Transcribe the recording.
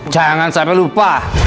jangan sampai lupa